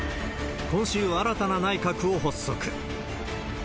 今週、新たな内閣を発足。